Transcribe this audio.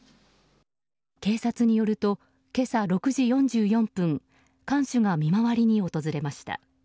警察によると今朝６時４４分看守が見回りに訪れました。